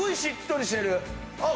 あっ！